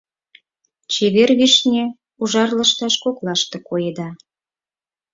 Чевер вишне ужар лышташ коклаште коеда.